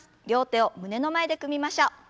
両手を胸の前で組みましょう。